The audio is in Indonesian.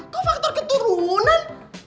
kok faktor keturunan